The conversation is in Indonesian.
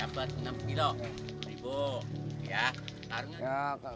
kami mencoba enam kg